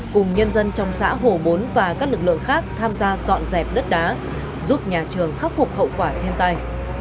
cùng nhân dân trong xã hồ bốn và các lực lượng khác tham gia dọn dẹp đất đá giúp nhà trường khắc phục hậu quả thiên tai